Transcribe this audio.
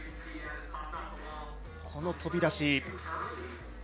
この飛び出し。